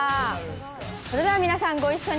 それでは皆さんご一緒に。